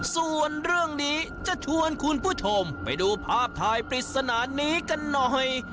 ส่วนเรื่องนี้จะชวนคุณผู้ชมไปดูภาพถ่ายปริศนานี้กันหน่อย